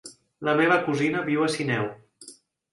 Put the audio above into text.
La meva cosina viu a Sineu.